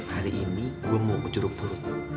hari ini gue mau ke jeruk purut